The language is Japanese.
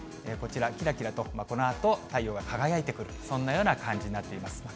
こちら、きらきらとこのあと、太陽は輝いてくる、そんなような感じになっています。